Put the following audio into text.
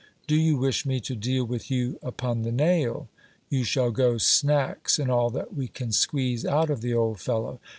Do you wish me to deal with you upon the nail ? You shall go snacks in all that we can squeeze out of the old fellow.